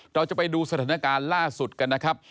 เราจะไปดูสถานการณ์ล่าสุดกันนะครับ